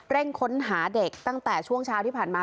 ค้นหาเด็กตั้งแต่ช่วงเช้าที่ผ่านมา